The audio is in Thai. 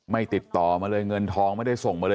ติดต่อมาเลยเงินทองไม่ได้ส่งมาเลย